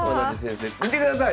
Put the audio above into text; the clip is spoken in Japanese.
見てください！